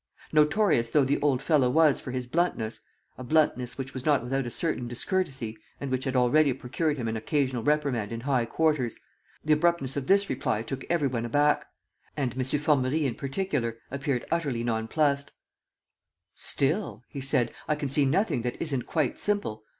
Notorious though the old fellow was for his bluntness a bluntness which was not without a certain discourtesy and which had already procured him an occasional reprimand in high quarters the abruptness of this reply took every one aback. And M. Formerie in particular appeared utterly nonplussed: "Still," he said, "I can see nothing that isn't quite simple.